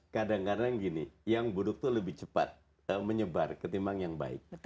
kadang kadang gini yang buruk itu lebih cepat menyebar ketimbang yang baik